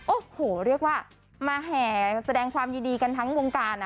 โอ้โหเรียกว่ามาแห่แสดงความยินดีกันทั้งวงการ